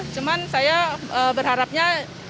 cuman saya berharapnya